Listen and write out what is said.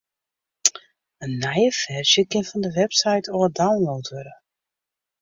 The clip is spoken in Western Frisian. In nije ferzje kin fan de website ôf download wurde.